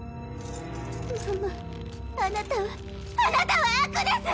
ママあなたはあなたは悪です！